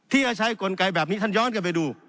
ที่จะใช้กลไกแบบนี้ท่านย้อนกันไปดู